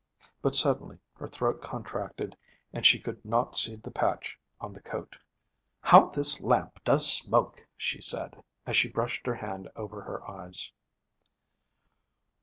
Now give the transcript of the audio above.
But suddenly her throat contracted and she could not see the patch on the coat. 'How this lamp does smoke!' she said, as she brushed her hand over her eyes.